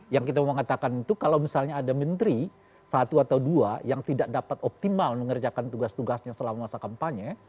yang kita mau katakan itu kalau misalnya ada menteri satu atau dua yang tidak dapat optimal mengerjakan tugas tugasnya selama masa kampanye